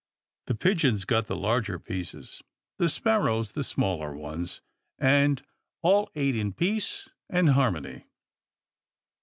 The pigeons got the larger pieces, the sparrows the smaller ones, and all ate in peace and harmony.